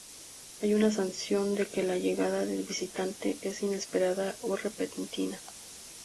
Hay una sensación de que la llegada del visitante es inesperada o repentina.